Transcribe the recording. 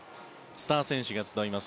スター選手が集います